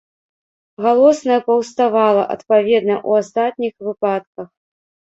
Галосная паўставала, адпаведна, у астатніх выпадках.